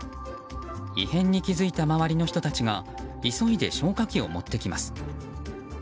異変に気付いた周りの人たちが急いで消火器を持ってきます。